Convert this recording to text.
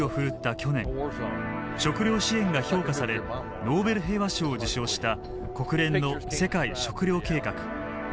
去年食料支援が評価されノーベル平和賞を受賞した国連の世界食糧計画・ＷＦＰ。